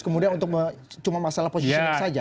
kemudian untuk cuma masalah posisi saja